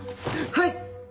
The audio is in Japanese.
はい！